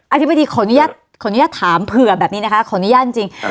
อาทิบดีขออนุญาตถามเพื่อนแบบนี้นะคะขออนุญาตจริง